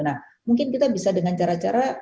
nah mungkin kita bisa dengan cara cara